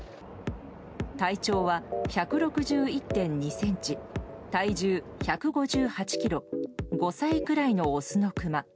体長は１６１．２ｃｍ体重１５８ｋｇ５歳くらいのオスのクマ。